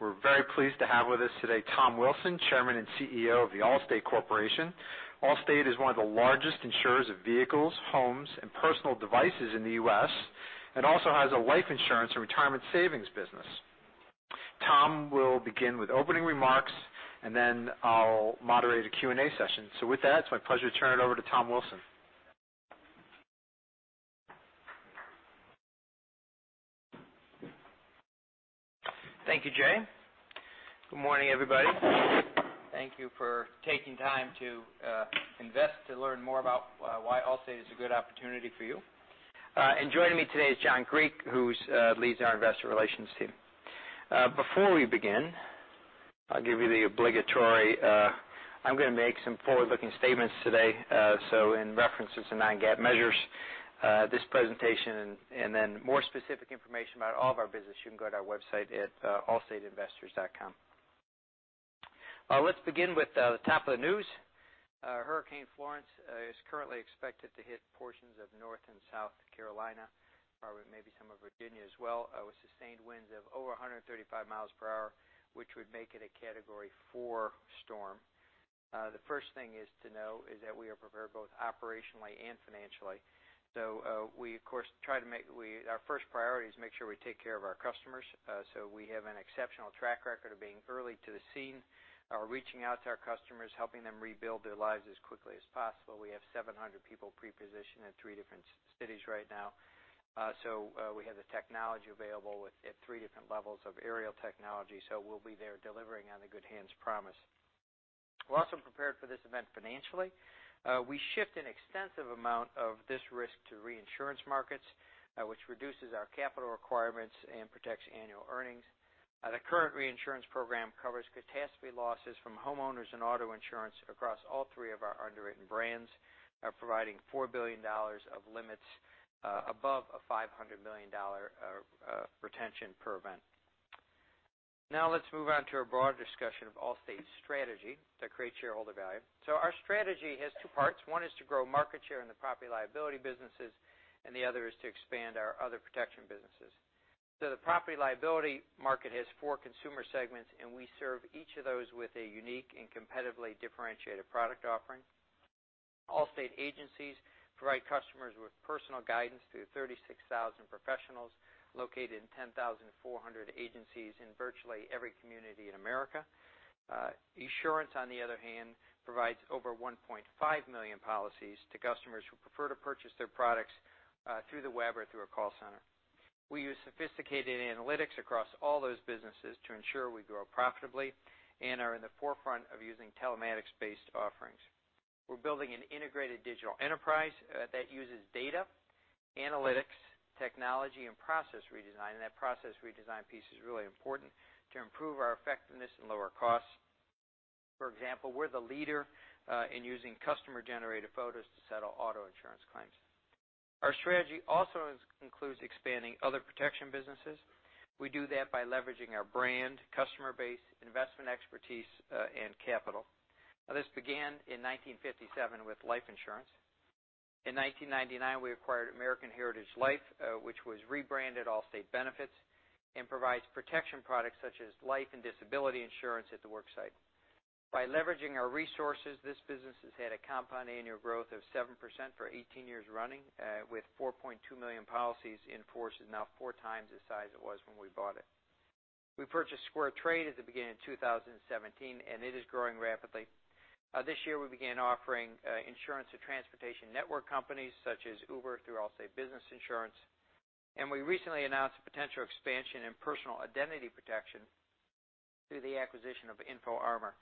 We're very pleased to have with us today Tom Wilson, Chairman and CEO of The Allstate Corporation. Allstate is one of the largest insurers of vehicles, homes, and personal devices in the U.S., and also has a life insurance and retirement savings business. Tom will begin with opening remarks, and then I'll moderate a Q&A session. With that, it's my pleasure to turn it over to Tom Wilson. Thank you, Jay. Good morning, everybody. Thank you for taking time to invest to learn more about why Allstate is a good opportunity for you. Joining me today is John Griek, who leads our investor relations team. Before we begin, I'll give you the obligatory, I'm going to make some forward-looking statements today. In reference to some non-GAAP measures, this presentation, and then more specific information about all of our business, you can go to our website at www.allstateinvestors.com. Let's begin with the top of the news. Hurricane Florence is currently expected to hit portions of North and South Carolina, probably maybe some of Virginia as well, with sustained winds of over 135 miles per hour, which would make it a Category 4 storm. The first thing is to know is that we are prepared both operationally and financially. Our first priority is make sure we take care of our customers. We have an exceptional track record of being early to the scene, reaching out to our customers, helping them rebuild their lives as quickly as possible. We have 700 people pre-positioned at three different cities right now. We have the technology available at three different levels of aerial technology. We'll be there delivering on the Good Hands promise. We're also prepared for this event financially. We shift an extensive amount of this risk to reinsurance markets, which reduces our capital requirements and protects annual earnings. The current reinsurance program covers catastrophe losses from homeowners and auto insurance across all three of our underwritten brands, providing $4 billion of limits above a $500 million retention per event. Now let's move on to a broader discussion of Allstate's strategy to create shareholder value. Our strategy has two parts. One is to grow market share in the property liability businesses, and the other is to expand our other protection businesses. The property liability market has four consumer segments, and we serve each of those with a unique and competitively differentiated product offering. Allstate agencies provide customers with personal guidance through 36,000 professionals located in 10,400 agencies in virtually every community in America. Esurance, on the other hand, provides over 1.5 million policies to customers who prefer to purchase their products through the web or through a call center. We use sophisticated analytics across all those businesses to ensure we grow profitably and are in the forefront of using telematics-based offerings. We're building an integrated digital enterprise that uses data, analytics, technology, and process redesign, and that process redesign piece is really important to improve our effectiveness and lower costs. For example, we're the leader in using customer-generated photos to settle auto insurance claims. Our strategy also includes expanding other protection businesses. We do that by leveraging our brand, customer base, investment expertise, and capital. This began in 1957 with life insurance. In 1999, we acquired American Heritage Life, which was rebranded Allstate Benefits and provides protection products such as life and disability insurance at the work site. By leveraging our resources, this business has had a compound annual growth of 7% for 18 years running, with 4.2 million policies in force, now four times the size it was when we bought it. We purchased SquareTrade at the beginning of 2017, and it is growing rapidly. This year, we began offering insurance to transportation network companies such as Uber through Allstate Business Insurance. We recently announced a potential expansion in personal identity protection through the acquisition of InfoArmor.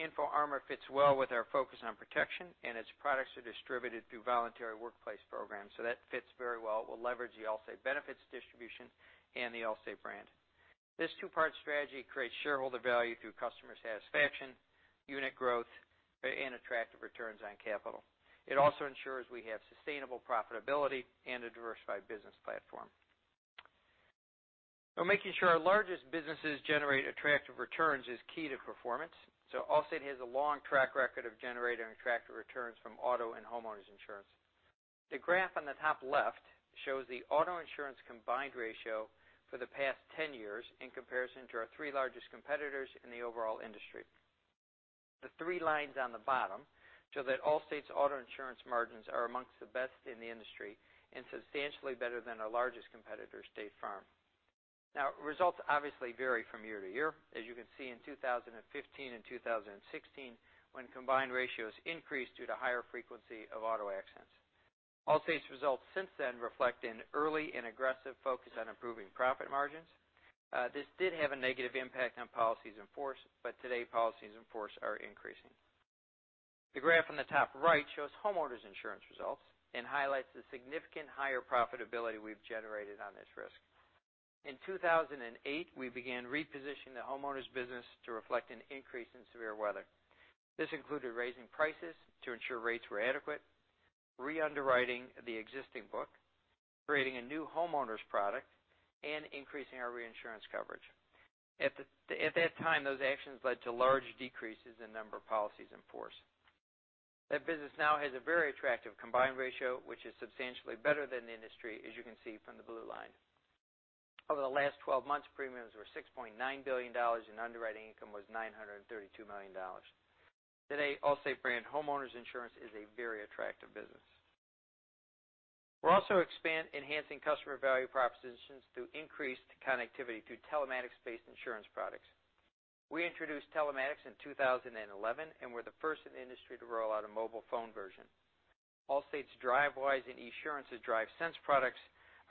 InfoArmor fits well with our focus on protection, and its products are distributed through voluntary workplace programs. That fits very well. We'll leverage the Allstate Benefits distribution and the Allstate brand. This two-part strategy creates shareholder value through customer satisfaction, unit growth, and attractive returns on capital. It also ensures we have sustainable profitability and a diversified business platform. Making sure our largest businesses generate attractive returns is key to performance. Allstate has a long track record of generating attractive returns from auto and homeowners insurance. The graph on the top left shows the auto insurance combined ratio for the past 10 years in comparison to our three largest competitors in the overall industry. The three lines on the bottom show that Allstate's auto insurance margins are amongst the best in the industry and substantially better than our largest competitor, State Farm. Now, results obviously vary from year to year. As you can see in 2015 and 2016, when combined ratios increased due to higher frequency of auto accidents. Allstate's results since then reflect an early and aggressive focus on improving profit margins. This did have a negative impact on policies in force, but today policies in force are increasing. The graph on the top right shows homeowners insurance results and highlights the significant higher profitability we've generated on this risk. In 2008, we began repositioning the homeowners business to reflect an increase in severe weather. This included raising prices to ensure rates were adequate, re-underwriting the existing book, creating a new homeowners product, and increasing our reinsurance coverage. At that time, those actions led to large decreases in number of policies in force. That business now has a very attractive combined ratio, which is substantially better than the industry, as you can see from the blue line. Over the last 12 months, premiums were $6.9 billion and underwriting income was $932 million. Today, Allstate brand homeowners insurance is a very attractive business. We're also enhancing customer value propositions through increased connectivity through telematics-based insurance products. We introduced telematics in 2011, and we're the first in the industry to roll out a mobile phone version. Allstate's Drivewise and Esurance's DriveSense products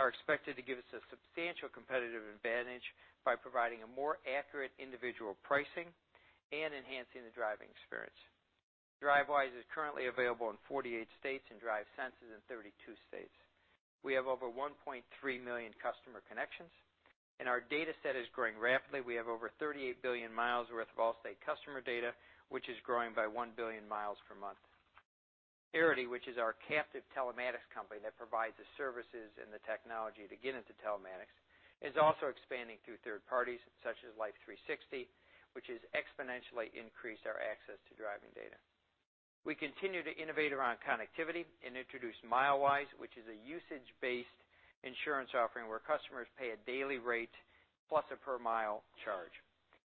are expected to give us a substantial competitive advantage by providing a more accurate individual pricing and enhancing the driving experience. Drivewise is currently available in 48 states, and DriveSense is in 32 states. We have over 1.3 million customer connections, and our data set is growing rapidly. We have over 38 billion miles worth of Allstate customer data, which is growing by 1 billion miles per month. Arity, which is our captive telematics company that provides the services and the technology to get into telematics, is also expanding through third parties such as Life360, which has exponentially increased our access to driving data. We continue to innovate around connectivity and introduce Milewise, which is a usage-based insurance offering where customers pay a daily rate plus a per mile charge.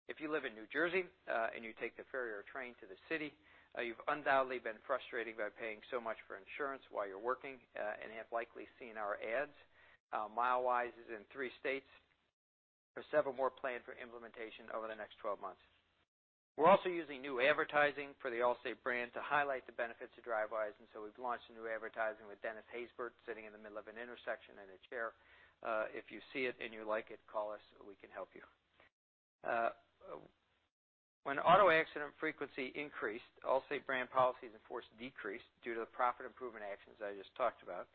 If you live in New Jersey, and you take the ferry or train to the city, you've undoubtedly been frustrated by paying so much for insurance while you're working, and have likely seen our ads. Milewise is in three states, with several more planned for implementation over the next 12 months. We're also using new advertising for the Allstate brand to highlight the benefits of Drivewise. We've launched a new advertising with Dennis Haysbert sitting in the middle of an intersection in a chair. If you see it and you like it, call us, we can help you. When auto accident frequency increased, Allstate brand policies, in force, decreased due to the profit improvement actions I just talked about.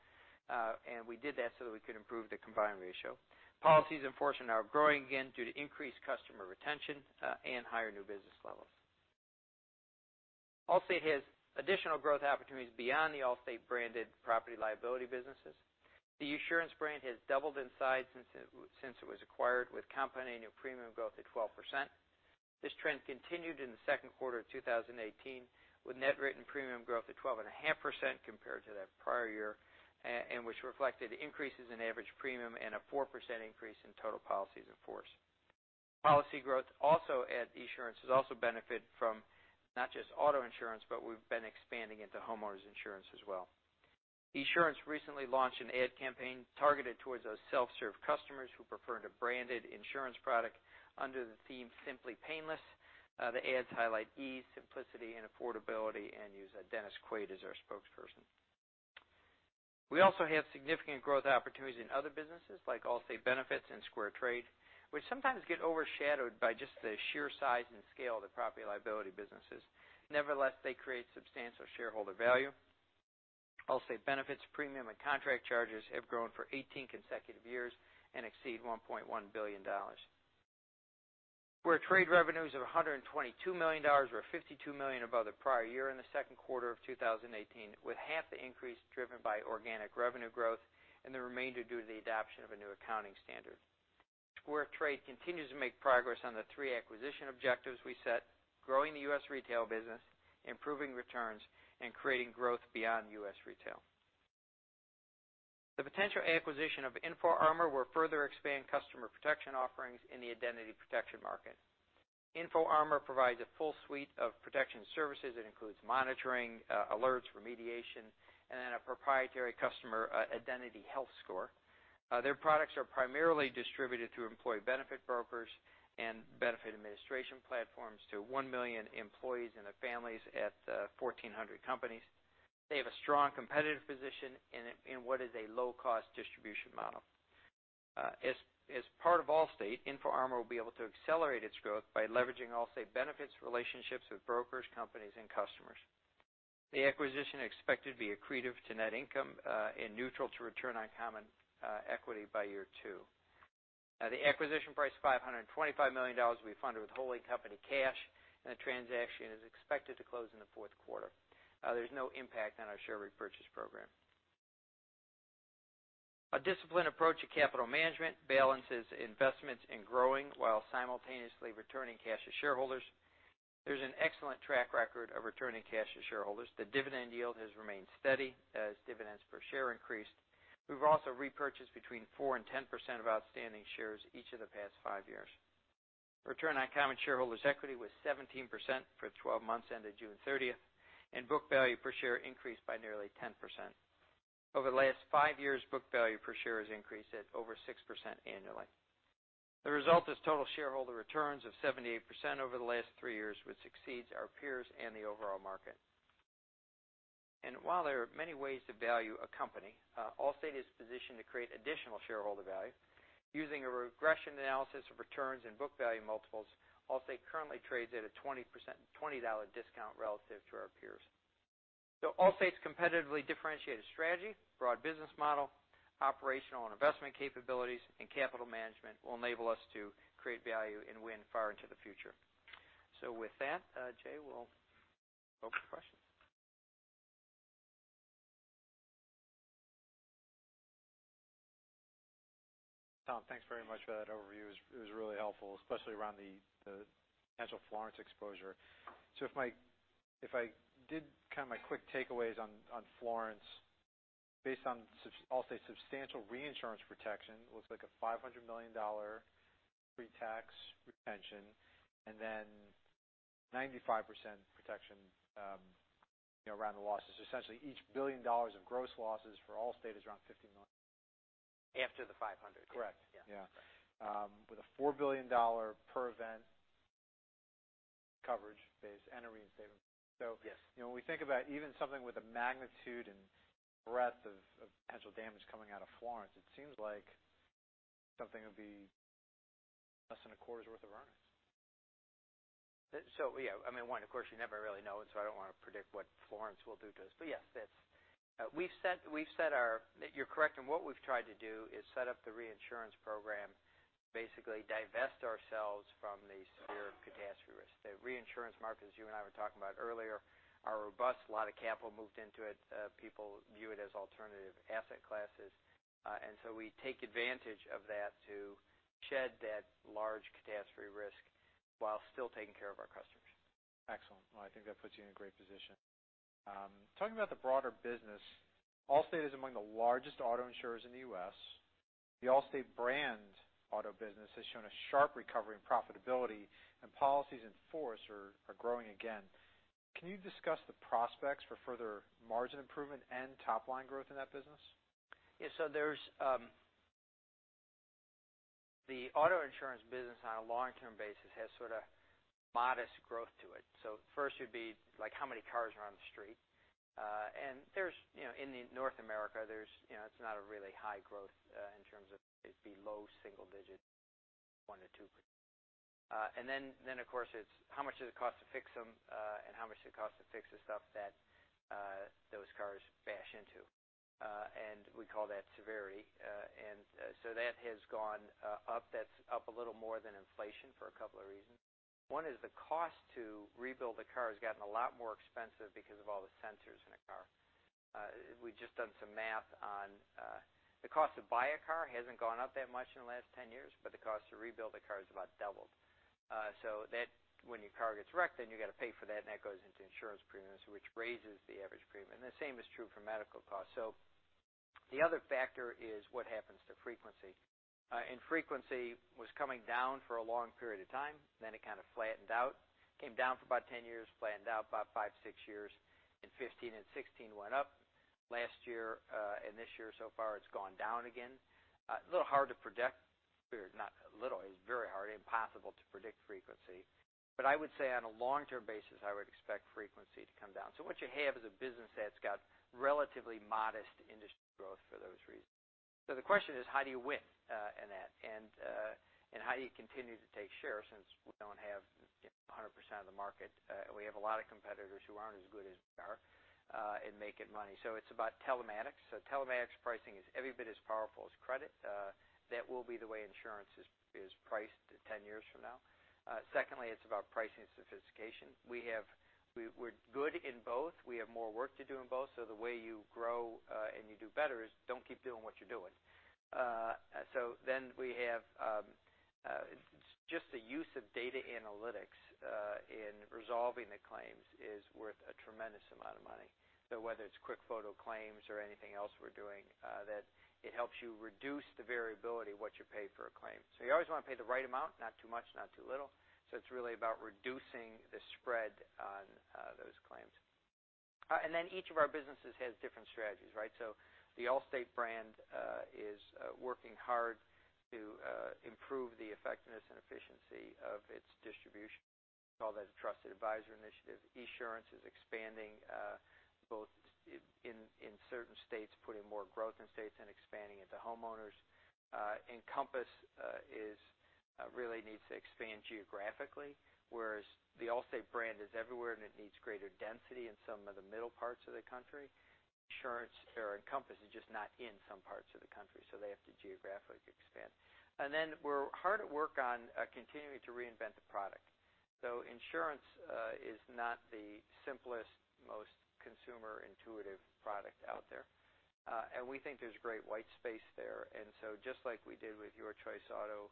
We did that so that we could improve the combined ratio. Policies, in force, are now growing again due to increased customer retention and higher new business levels. Allstate has additional growth opportunities beyond the Allstate branded property liability businesses. The Esurance brand has doubled in size since it was acquired with compounding annual premium growth at 12%. This trend continued in the second quarter of 2018 with net written premium growth at 12.5% compared to that prior year, which reflected increases in average premium and a 4% increase in total policies of force. Policy growth at Esurance has also benefited from not just auto insurance, we've been expanding into homeowners insurance as well. Esurance recently launched an ad campaign targeted towards those self-serve customers who prefer a branded insurance product under the theme Simply Painless. The ads highlight ease, simplicity and affordability and use Dennis Quaid as our spokesperson. We also have significant growth opportunities in other businesses like Allstate Benefits and SquareTrade, which sometimes get overshadowed by just the sheer size and scale of the property liability businesses. Nevertheless, they create substantial shareholder value. Allstate Benefits premium and contract charges have grown for 18 consecutive years and exceed $1.1 billion. SquareTrade revenues of $122 million were $52 million above the prior year in the second quarter of 2018, with half the increase driven by organic revenue growth and the remainder due to the adoption of a new accounting standard. SquareTrade continues to make progress on the three acquisition objectives we set, growing the U.S. retail business, improving returns, and creating growth beyond U.S. retail. The potential acquisition of InfoArmor will further expand customer protection offerings in the identity protection market. InfoArmor provides a full suite of protection services that includes monitoring, alerts, remediation, and then a proprietary customer identity health score. Their products are primarily distributed through employee benefit brokers and benefit administration platforms to 1 million employees and their families at 1,400 companies. They have a strong competitive position in what is a low-cost distribution model. As part of Allstate, InfoArmor will be able to accelerate its growth by leveraging Allstate Benefits’ relationships with brokers, companies, and customers. The acquisition expected to be accretive to net income, and neutral to return on common equity by year two. The acquisition price of $525 million will be funded with wholly company cash, and the transaction is expected to close in the fourth quarter. There is no impact on our share repurchase program. A disciplined approach to capital management balances investments in growing while simultaneously returning cash to shareholders. There is an excellent track record of returning cash to shareholders. The dividend yield has remained steady as dividends per share increased. We have also repurchased between 4% and 10% of outstanding shares each of the past five years. Return on common shareholders’ equity was 17% for the 12 months ended June 30th, and book value per share increased by nearly 10%. Over the last five years, book value per share has increased at over 6% annually. The result is total shareholder returns of 78% over the last three years, which exceeds our peers and the overall market. While there are many ways to value a company, Allstate is positioned to create additional shareholder value. Using a regression analysis of returns and book value multiples, Allstate currently trades at a 20% $20 discount relative to our peers. Allstate’s competitively differentiated strategy, broad business model, operational and investment capabilities, and capital management will enable us to create value and win far into the future. With that, Jay, we will open for questions. Tom, thanks very much for that overview. It was really helpful, especially around the potential Florence exposure. If I did my quick takeaways on Florence, based on Allstate’s substantial reinsurance protection, it looks like a $500 million pre-tax retention, and then 95% protection around the losses. Essentially, each $1 billion of gross losses for Allstate is around $50 million. After the $500 million. Correct. Yeah. Yeah. With a $4 billion per event coverage base and a reinstatement. Yes. When we think about even something with the magnitude and breadth of potential damage coming out of Florence, it seems like something would be less than a quarter's worth of earnings. One, of course, you never really know, and so I don't want to predict what Florence will do to us. Yes. You're correct, and what we've tried to do is set up the reinsurance program to basically divest ourselves from the severe catastrophe risk. The reinsurance markets, as you and I were talking about earlier, are robust. A lot of capital moved into it. People view it as alternative asset classes. We take advantage of that to shed that large catastrophe risk while still taking care of our customers. Excellent. I think that puts you in a great position. Talking about the broader business, Allstate is among the largest auto insurers in the U.S. The Allstate brand auto business has shown a sharp recovery in profitability and policies in force are growing again. Can you discuss the prospects for further margin improvement and top-line growth in that business? Yes. The auto insurance business on a long-term basis has modest growth to it. First, it would be how many cars are on the street. In North America, it's not a really high growth in terms of it being low single digits, 1%-2%. Then of course, it's how much does it cost to fix them, and how much does it cost to fix the stuff that those cars bash into. We call that severity. That has gone up. That's up a little more than inflation for a couple of reasons. One is the cost to rebuild a car has gotten a lot more expensive because of all the sensors in a car. We've just done some math on the cost to buy a car hasn't gone up that much in the last 10 years, but the cost to rebuild a car has about doubled. When your car gets wrecked, then you got to pay for that, and that goes into insurance premiums, which raises the average premium. The same is true for medical costs. The other factor is what happens to frequency. Frequency was coming down for a long period of time, then it kind of flattened out. Came down for about 10 years, flattened out about five, six years. In 2015 and 2016, went up. Last year and this year so far, it's gone down again. A little hard to predict. Not a little. It's very hard, impossible to predict frequency. I would say on a long-term basis, I would expect frequency to come down. What you have is a business that's got relatively modest industry growth for those reasons. The question is, how do you win in that? How do you continue to take shares since we don't have 100% of the market? We have a lot of competitors who aren't as good as we are at making money. It's about telematics. Telematics pricing is every bit as powerful as credit. That will be the way insurance is priced 10 years from now. Secondly, it's about pricing sophistication. We're good in both. We have more work to do in both. The way you grow and you do better is don't keep doing what you're doing. Just the use of data analytics in resolving the claims is worth a tremendous amount of money. Whether it's QuickFoto claims or anything else we're doing, it helps you reduce the variability of what you pay for a claim. You always want to pay the right amount, not too much, not too little. It's really about reducing the spread on those claims. Each of our businesses has different strategies. The Allstate brand is working hard to improve the effectiveness and efficiency of its distribution. We call that a trusted advisor initiative. Esurance is expanding both in certain states, putting more growth in states, and expanding into homeowners. Encompass really needs to expand geographically, whereas the Allstate brand is everywhere, and it needs greater density in some of the middle parts of the country. Encompass is just not in some parts of the country, they have to geographically expand. Then we're hard at work on continuing to reinvent the product. Insurance is not the simplest, most consumer-intuitive product out there. We think there's great white space there. Just like we did with Your Choice Auto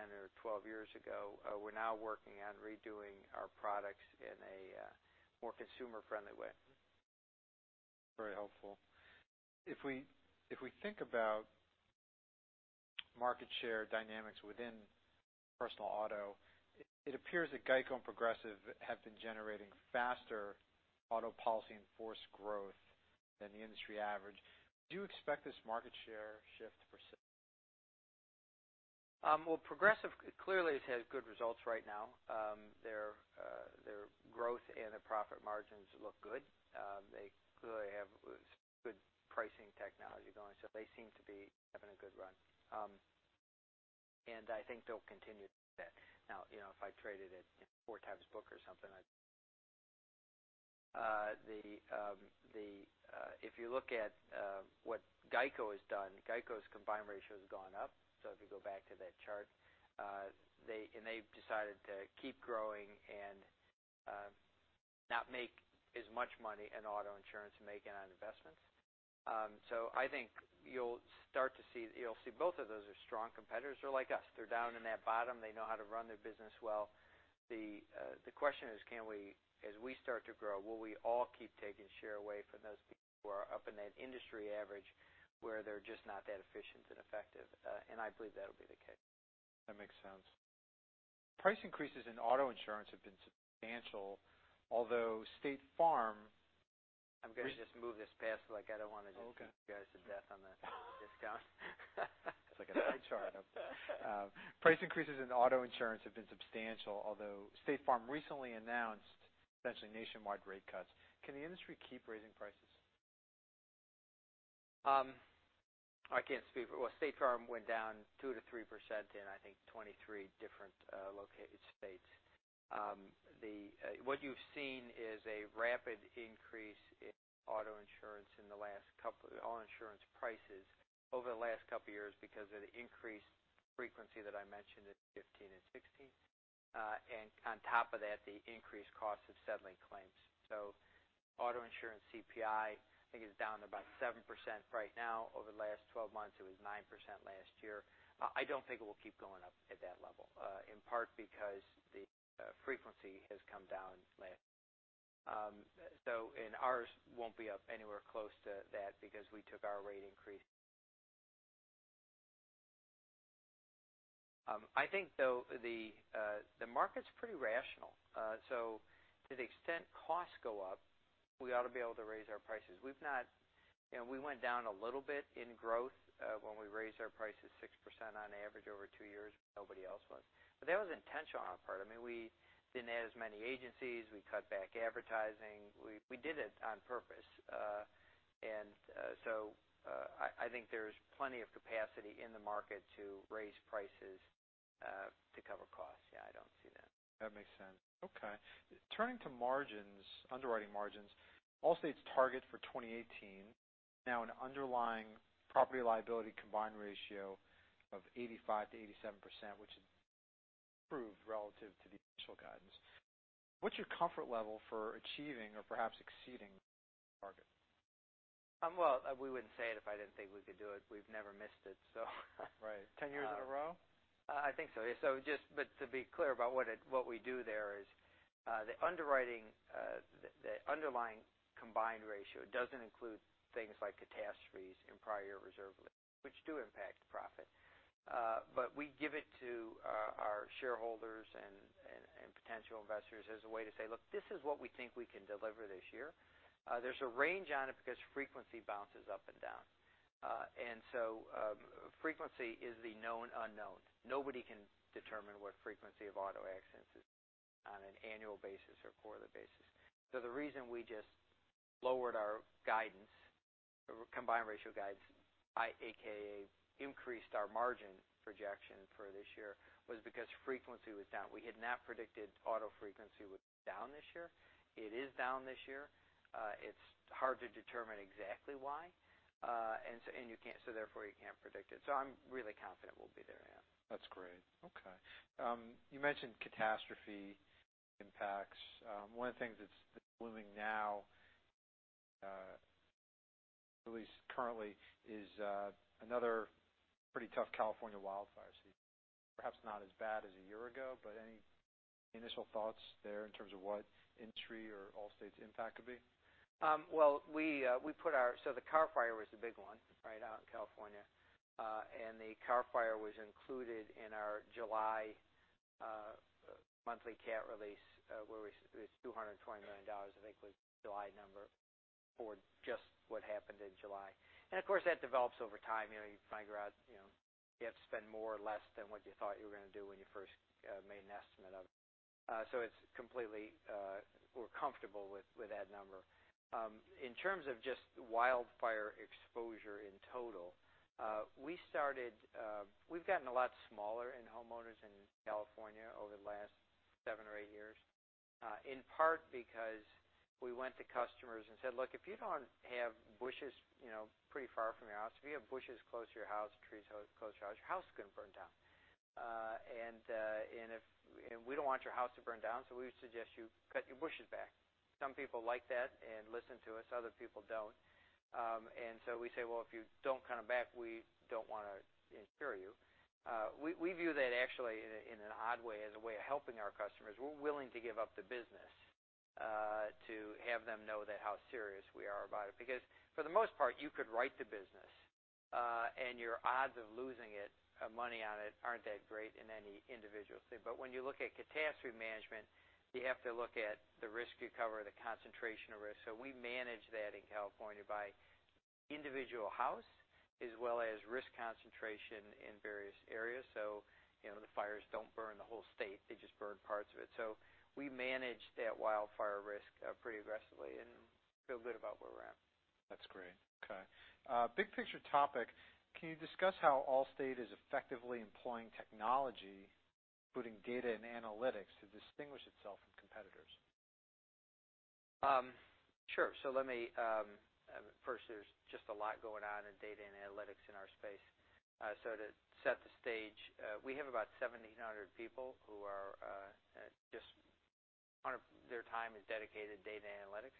10 or 12 years ago, we're now working on redoing our products in a more consumer-friendly way. Very helpful. If we think about market share dynamics within personal auto, it appears that GEICO and Progressive have been generating faster auto policy in force growth than the industry average. Do you expect this market share shift to persist? Well, Progressive clearly has had good results right now. Their growth and their profit margins look good. They clearly have good pricing technology going, so they seem to be having a good run. I think they'll continue to do that. Now, if I traded at 4 times book or something. If you look at what GEICO has done, GEICO's combined ratio has gone up. If you go back to that chart. They've decided to keep growing and not make as much money in auto insurance and make it on investments. I think you'll see both of those are strong competitors. They're like us. They're down in that bottom. They know how to run their business well. The question is, as we start to grow, will we all keep taking share away from those people who are up in that industry average where they're just not that efficient and effective? I believe that'll be the case. That makes sense. Price increases in auto insurance have been substantial, although State Farm- I'm going to just move this past, I don't want to just- Okay keep you guys to death on the discount. It's like a pie chart. Price increases in auto insurance have been substantial, although State Farm recently announced potentially nationwide rate cuts. Can the industry keep raising prices? Well, State Farm went down 2%-3% in, I think, 23 different located states. What you've seen is a rapid increase in auto insurance prices over the last couple of years because of the increased frequency that I mentioned in 2015 and 2016. On top of that, the increased cost of settling claims. Auto insurance CPI, I think, is down about 7% right now over the last 12 months. It was 9% last year. I don't think it will keep going up at that level, in part because the frequency has come down. Ours won't be up anywhere close to that because we took our rate increase. I think, though, the market's pretty rational. To the extent costs go up, we ought to be able to raise our prices. We went down a little bit in growth when we raised our prices 6% on average over two years when nobody else was. That was intentional on our part. We didn't add as many agencies. We cut back advertising. We did it on purpose. I think there's plenty of capacity in the market to raise prices to cover costs. Yeah, I don't see that. That makes sense. Okay. Turning to margins, underwriting margins, Allstate's target for 2018, now an underlying property liability combined ratio of 85%-87%, which improved relative to the initial guidance. What's your comfort level for achieving or perhaps exceeding that target? Well, we wouldn't say it if I didn't think we could do it. We've never missed it. Right. 10 years in a row? I think so, yeah. To be clear about what we do there is the underlying combined ratio doesn't include things like catastrophes and prior year reserve releases, which do impact profit. We give it to our shareholders and potential investors as a way to say, look, this is what we think we can deliver this year. There's a range on it because frequency bounces up and down. Frequency is the known unknown. Nobody can determine what frequency of auto accidents is on an annual basis or quarterly basis. The reason we just lowered our combined ratio guidance, aka increased our margin projection for this year, was because frequency was down. We had not predicted auto frequency was down this year. It is down this year. It's hard to determine exactly why. Therefore you can't predict it. I'm really confident we'll be there, yeah. That's great. Okay. You mentioned catastrophe impacts. One of the things that's blooming now, at least currently, is another pretty tough California wildfire season. Perhaps not as bad as a year ago, but any initial thoughts there in terms of what industry or Allstate's impact could be? The Carr Fire was the big one out in California. The Carr Fire was included in our July monthly cat release, where it's $220 million, I think, was the July number for just what happened in July. Of course, that develops over time. You find you have to spend more or less than what you thought you were going to do when you first made an estimate of it. We're comfortable with that number. In terms of just wildfire exposure in total, we've gotten a lot smaller in homeowners in California over the last seven or eight years, in part because we went to customers and said, "Look, if you don't have bushes pretty far from your house, if you have bushes close to your house, trees close to your house, your house is going to burn down. We don't want your house to burn down, we suggest you cut your bushes back." Some people like that and listen to us. Other people don't. We say, "Well, if you don't cut them back, we don't want to insure you." We view that actually in an odd way as a way of helping our customers. We're willing to give up the business to have them know how serious we are about it because, for the most part, you could write the business, and your odds of losing money on it aren't that great in any individual state. When you look at catastrophe management, you have to look at the risk you cover, the concentration of risk. We manage that in California by individual house as well as risk concentration in various areas. The fires don't burn the whole state. They just burn parts of it. We manage that wildfire risk pretty aggressively and feel good about where we're at. That's great. Okay. Big picture topic. Can you discuss how Allstate is effectively employing technology, putting data and analytics to distinguish itself from competitors? Sure. First, there's just a lot going on in data and analytics in our space. To set the stage, we have about 1,700 people who are just, part of their time is dedicated data and analytics,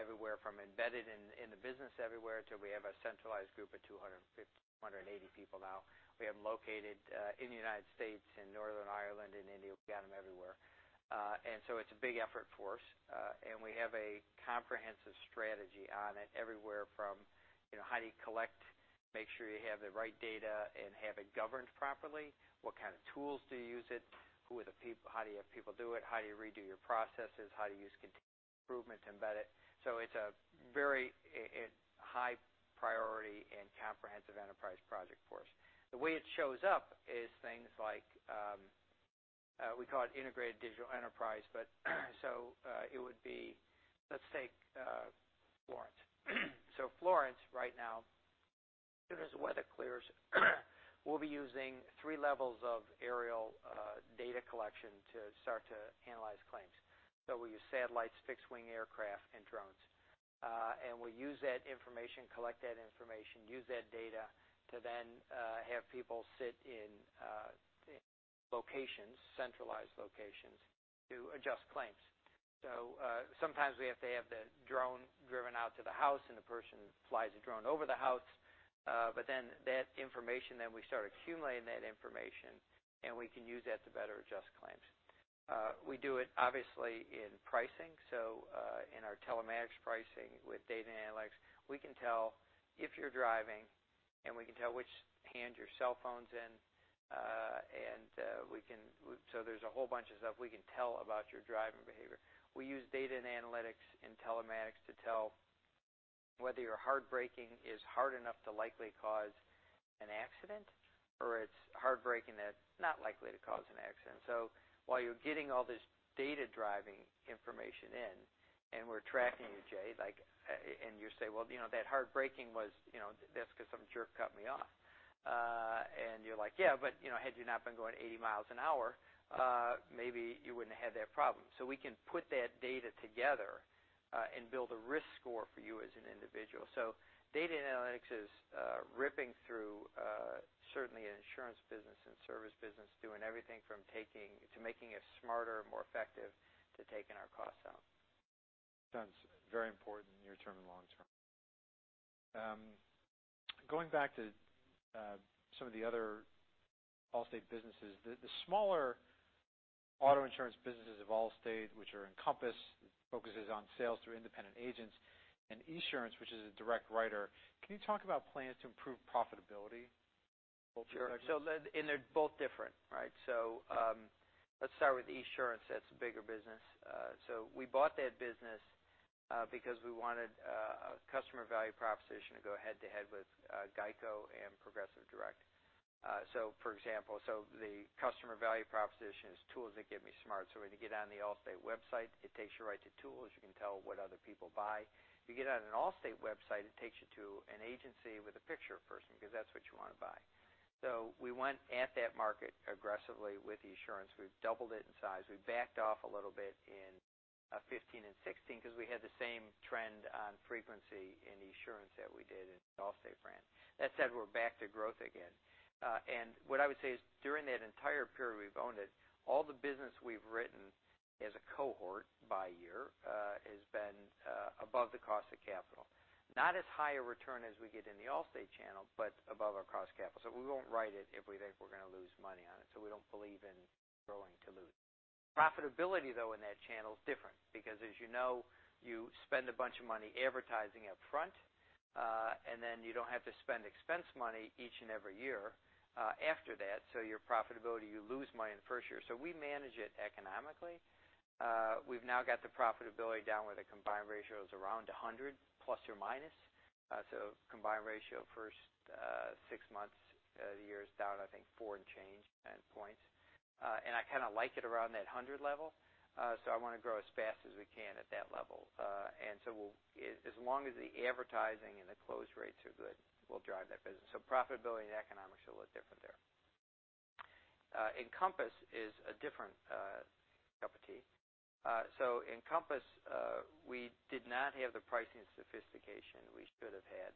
everywhere from embedded in the business everywhere, to we have a centralized group of 250, 280 people now. We have them located in the United States, in Northern Ireland, in India. We've got them everywhere. It's a big effort for us. We have a comprehensive strategy on it, everywhere from how do you collect, make sure you have the right data, and have it governed properly, what kind of tools do you use it, how do you have people do it, how do you redo your processes, how do you use continuous improvement to embed it? It's a very high priority and comprehensive enterprise project for us. It would be, let's take Florence. Florence, right now, as the weather clears, we'll be using three levels of aerial data collection to start to analyze claims. We'll use satellites, fixed-wing aircraft, and drones. We'll use that information, collect that information, use that data to then have people sit in locations, centralized locations, to adjust claims. Sometimes we have to have the drone driven out to the house, and the person flies a drone over the house. That information, then we start accumulating that information, and we can use that to better adjust claims. We do it obviously in pricing. In our telematics pricing with data and analytics, we can tell if you're driving, and we can tell which hand your cell phone's in, there's a whole bunch of stuff we can tell about your driving behavior. We use data and analytics in telematics to tell whether your hard braking is hard enough to likely cause an accident, or it's hard braking that's not likely to cause an accident. While you're getting all this data driving information in and we're tracking you, Jay, and you say, "Well, that hard braking was because some jerk cut me off." You're like, "Yeah, but had you not been going 80 miles an hour, maybe you wouldn't have had that problem." We can put that data together, and build a risk score for you as an individual. Data and analytics is ripping through certainly an insurance business and service business, doing everything from making us smarter, more effective, to taking our costs out. Sounds very important near-term and long-term. Going back to some of the other Allstate businesses, the smaller auto insurance businesses of Allstate, which are Encompass, focuses on sales through independent agents, and Esurance, which is a direct writer. Can you talk about plans to improve profitability in both directions? Sure. They're both different, right? Let's start with Esurance. That's the bigger business. We bought that business because we wanted a customer value proposition to go head to head with GEICO and Progressive Direct. For example, the customer value proposition is tools that get me smart. When you get on the Allstate website, it takes you right to tools. You can tell what other people buy. If you get on an Allstate website, it takes you to an agency with a picture of a person, because that's what you want to buy. We went at that market aggressively with Esurance. We've doubled it in size. We backed off a little bit in 2015 and 2016 because we had the same trend on frequency in Esurance that we did in the Allstate brand. That said, we're back to growth again. What I would say is during that entire period we've owned it, all the business we've written as a cohort by year has been above the cost of capital. Not as high a return as we get in the Allstate channel, but above our cost of capital. We won't write it if we think we're going to lose money on it. We don't believe in growing to lose. Profitability, though, in that channel is different because as you know, you spend a bunch of money advertising up front, and then you don't have to spend expense money each and every year after that. Your profitability, you lose money in the first year. We manage it economically. We've now got the profitability down where the combined ratio is around 100 ±. Combined ratio first six months of the year is down, I think, four and change end points. I kind of like it around that 100 level. I want to grow as fast as we can at that level. As long as the advertising and the close rates are good, we'll drive that business. Profitability and economics will look different there. Encompass is a different cup of tea. Encompass, we did not have the pricing sophistication we should have had.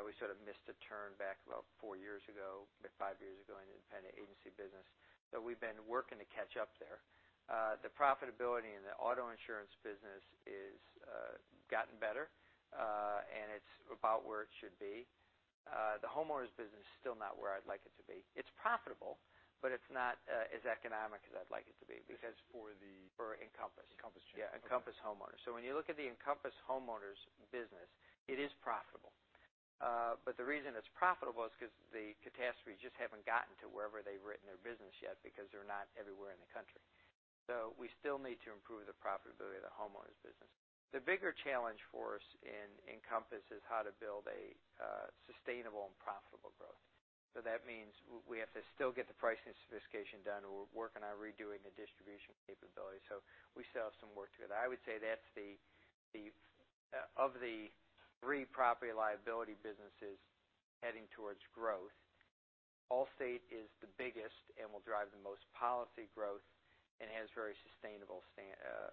We sort of missed a turn back about four years ago, maybe five years ago in the independent agency business. We've been working to catch up there. The profitability in the auto insurance business has gotten better. It's about where it should be. The homeowners business is still not where I'd like it to be. It's profitable, it's not as economic as I'd like it to be because- That's for the For Encompass. Encompass. Yeah. Encompass homeowners. When you look at the Encompass homeowners business, it is profitable. The reason it's profitable is because the catastrophes just haven't gotten to wherever they've written their business yet because they're not everywhere in the country. We still need to improve the profitability of the homeowners business. The bigger challenge for us in Encompass is how to build a sustainable and profitable growth. That means we have to still get the pricing sophistication done, and we're working on redoing the distribution capability. We still have some work to do. I would say that's the, of the three property liability businesses heading towards growth Allstate is the biggest and will drive the most policy growth and has very sustainable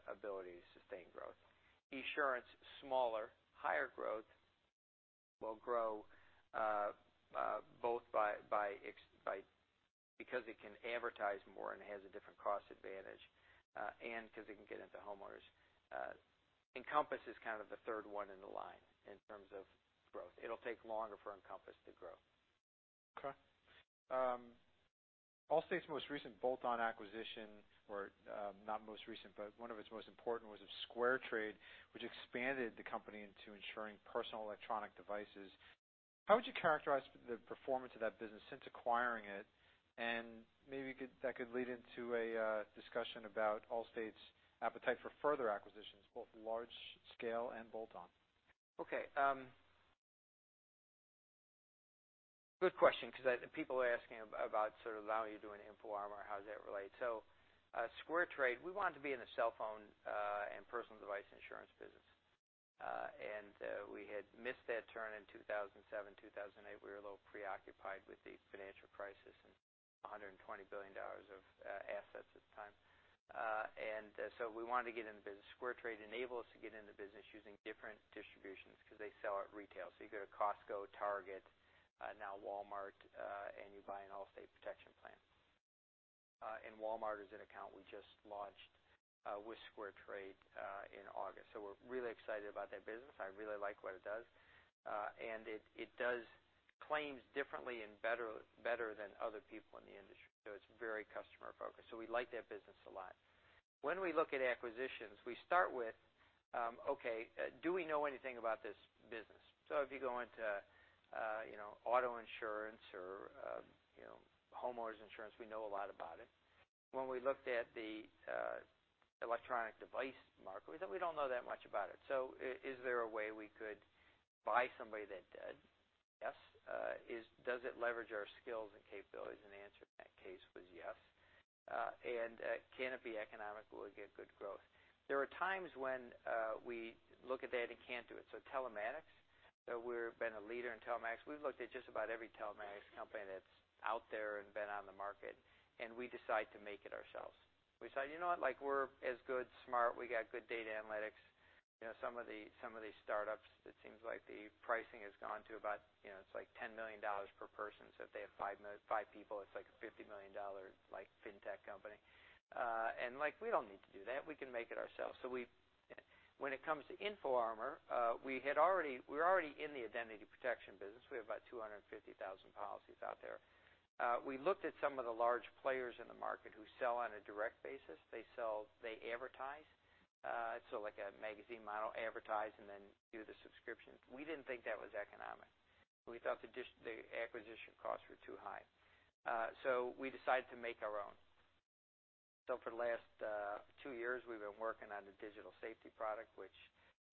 ability to sustain growth. Esurance, smaller, higher growth, will grow both because it can advertise more and has a different cost advantage, and because it can get into homeowners. Encompass is the third one in the line in terms of growth. It'll take longer for Encompass to grow. Okay. Allstate's most recent bolt-on acquisition, or not most recent, but one of its most important was of SquareTrade, which expanded the company into insuring personal electronic devices. How would you characterize the performance of that business since acquiring it? Maybe that could lead into a discussion about Allstate's appetite for further acquisitions, both large scale and bolt-on. Okay. Good question, because people are asking about allowing you to do an InfoArmor, how does that relate? SquareTrade, we wanted to be in the cellphone and personal device insurance business. We had missed that turn in 2007, 2008. We were a little preoccupied with the financial crisis and $120 billion of assets at the time. We wanted to get in the business. SquareTrade enabled us to get in the business using different distributions because they sell at retail. You go to Costco, Target, now Walmart, and you buy an Allstate Protection Plan. Walmart is an account we just launched with SquareTrade in August. We're really excited about that business. I really like what it does. It does claims differently and better than other people in the industry. It's very customer focused. We like that business a lot. When we look at acquisitions, we start with, okay, do we know anything about this business? If you go into auto insurance or homeowners insurance, we know a lot about it. When we looked at the electronic device market, we thought we don't know that much about it. Is there a way we could buy somebody that did? Yes. Does it leverage our skills and capabilities? The answer to that case was yes. Can it be economical and get good growth? There are times when we look at that and can't do it. Telematics, we've been a leader in telematics. We've looked at just about every telematics company that's out there and been on the market, we decide to make it ourselves. We decide, you know what, we're as good, smart, we got good data analytics. Some of these startups, it seems like the pricing has gone to about, it's like $10 million per person. If they have five people, it's like a $50 million fintech company. We don't need to do that. We can make it ourselves. When it comes to InfoArmor, we're already in the identity protection business. We have about 250,000 policies out there. We looked at some of the large players in the market who sell on a direct basis. They advertise. Like a magazine model, advertise, and then do the subscription. We didn't think that was economic. We thought the acquisition costs were too high. We decided to make our own. For the last two years, we've been working on the digital safety product, which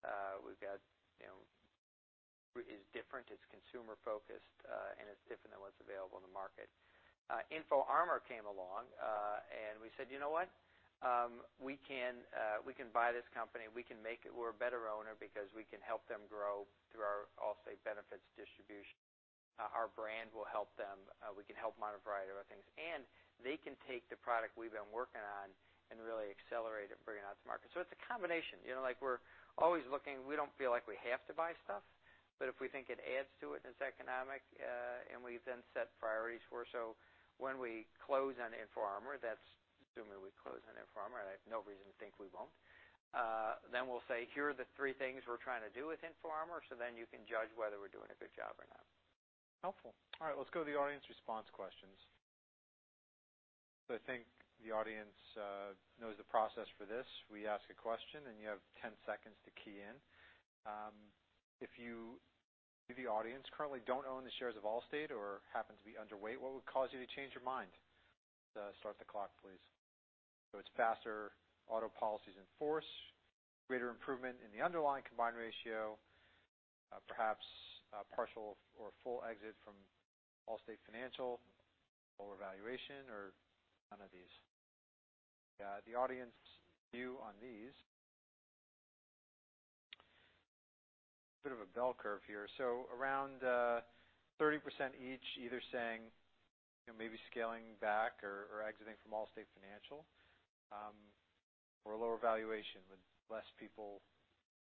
is different, it's consumer focused, and it's different than what's available in the market. InfoArmor came along, we said, you know what? We can buy this company. We can make it. We're a better owner because we can help them grow through our Allstate Benefits distribution. Our brand will help them. We can help on a variety of other things. They can take the product we've been working on and really accelerate it, bring it out to market. It's a combination. We're always looking. We don't feel like we have to buy stuff, but if we think it adds to it and it's economic, and we've then set priorities for. When we close on InfoArmor, that's assuming we close on InfoArmor, and I have no reason to think we won't, then we'll say, here are the three things we're trying to do with InfoArmor, you can judge whether we're doing a good job or not. Helpful. All right, let's go to the audience response questions. I think the audience knows the process for this. We ask a question, and you have 10 seconds to key in. If you, the audience, currently don't own the shares of Allstate or happen to be underweight, what would cause you to change your mind? Start the clock, please. It's faster auto policies in force, greater improvement in the underlying combined ratio, perhaps partial or full exit from Allstate Financial, lower valuation, or none of these. The audience view on these. Bit of a bell curve here. Around 30% each either saying maybe scaling back or exiting from Allstate Financial or a lower valuation with less people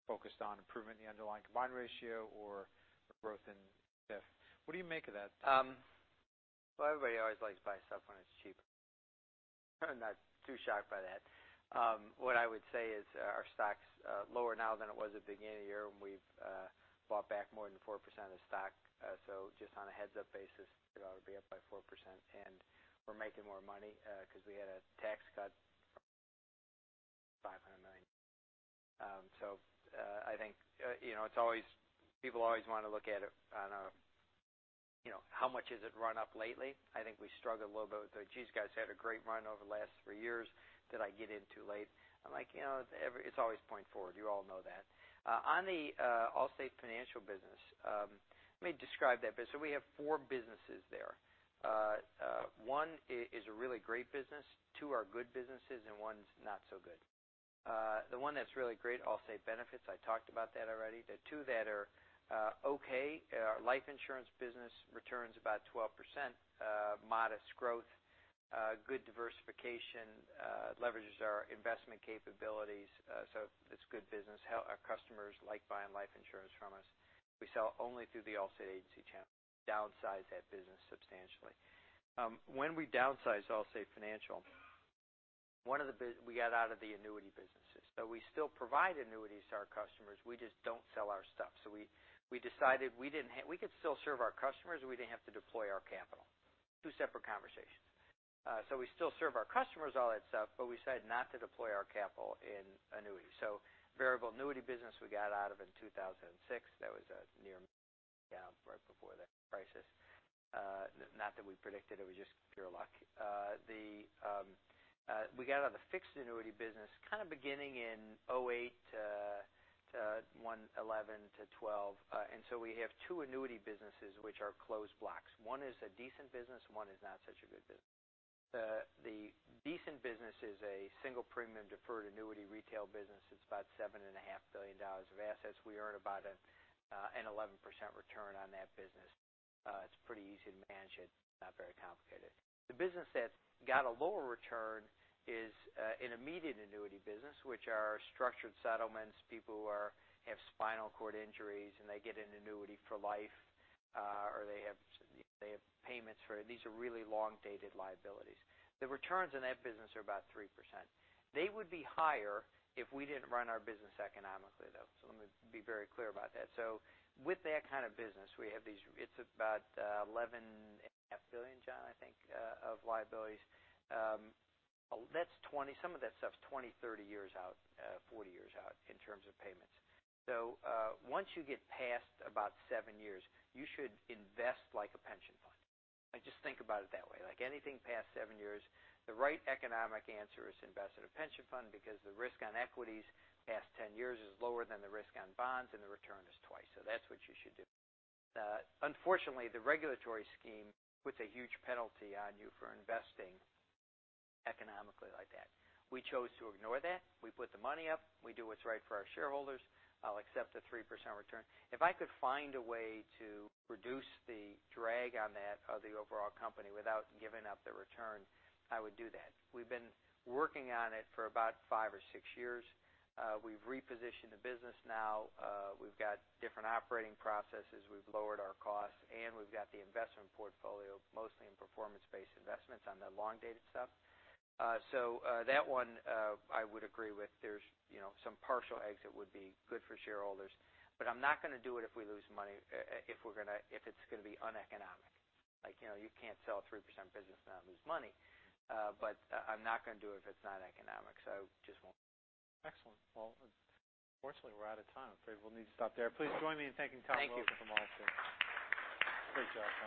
focused on improvement in the underlying combined ratio or growth. What do you make of that? Well, everybody always likes to buy stuff when it's cheap. I'm not too shocked by that. What I would say is our stock's lower now than it was at the beginning of the year when we've bought back more than 4% of the stock. Just on a heads-up basis, it ought to be up by 4%. We're making more money because we had a tax cut from $500 million. I think people always want to look at it on a how much is it run up lately. I think we struggle a little bit with the, "Geez guys, had a great run over the last three years. Did I get in too late?" I'm like, it's always point forward. You all know that. On the Allstate Financial business, let me describe that business. We have four businesses there. One is a really great business, two are good businesses, and one's not so good. The one that's really great, Allstate Benefits, I talked about that already. The two that are okay are life insurance business returns about 12%, modest growth, good diversification, leverages our investment capabilities. It's good business. Our customers like buying life insurance from us. We sell only through the Allstate agency channel, downsize that business substantially. When we downsized Allstate Financial, we got out of the annuity businesses. We still provide annuities to our customers, we just don't sell our stuff. We decided we could still serve our customers, we didn't have to deploy our capital. Two separate conversations. We still serve our customers, all that stuff, but we decided not to deploy our capital in annuities. Variable annuity business we got out of in 2006. That was near down right before the crisis. Not that we predicted, it was just pure luck. We got out of the fixed annuity business kind of beginning in 2008 to 2011 to 2012. We have two annuity businesses which are closed blocks. One is a decent business, one is not such a good business. The decent business is a single premium deferred annuity retail business. It's about $7.5 billion of assets. We earn about an 11% return on that business. It's pretty easy to manage it, not very complicated. The business that got a lower return is an immediate annuity business, which are structured settlements, people who have spinal cord injuries, and they get an annuity for life, or they have payments for it. These are really long-dated liabilities. The returns on that business are about 3%. They would be higher if we didn't run our business economically, though. Let me be very clear about that. With that kind of business, it's about $11.5 billion, John, I think, of liabilities. Some of that stuff's 20, 30 years out, 40 years out in terms of payments. Once you get past about seven years, you should invest like a pension fund. I just think about it that way. Like anything past seven years, the right economic answer is invest in a pension fund because the risk on equities past 10 years is lower than the risk on bonds, and the return is twice. That's what you should do. Unfortunately, the regulatory scheme puts a huge penalty on you for investing economically like that. We chose to ignore that. We put the money up. We do what's right for our shareholders. I'll accept a 3% return. If I could find a way to reduce the drag on that of the overall company without giving up the return, I would do that. We've been working on it for about five or six years. We've repositioned the business now. We've got different operating processes. We've lowered our costs, and we've got the investment portfolio mostly in performance-based investments on the long-dated stuff. That one, I would agree with, some partial exit would be good for shareholders. I'm not going to do it if we lose money, if it's going to be uneconomic. You can't sell a 3% business and not lose money. I'm not going to do it if it's not economic, just won't. Excellent. Unfortunately, we're out of time. I'm afraid we'll need to stop there. Please join me in thanking Tom Wilson from Allstate. Great job, Tom.